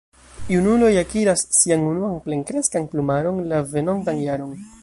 Junuloj akiras sian unuan plenkreskan plumaron la venontan jaron.